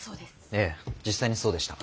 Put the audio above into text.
ええ実際にそうでした。